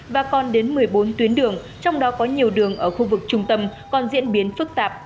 và còn đến một mươi bốn tuyến đường trong đó có nhiều đường ở khu vực trung tâm còn diễn biến phức tạp